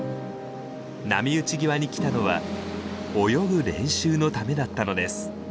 波打ち際に来たのは泳ぐ練習のためだったのです。